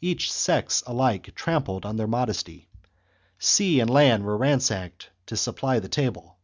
Each sex alike trampled on their modesty. Sea and land were ransacked to supply the table.